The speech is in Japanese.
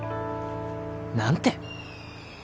何て？